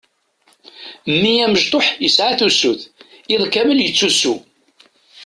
Mmi amecṭuḥ yesɛa tusut, iḍ kamel yettusu.